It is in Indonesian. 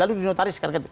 lalu di notaris kan